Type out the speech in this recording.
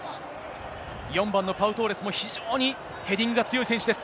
４番のパウ・トーレスも、非常にヘディングが強い選手です。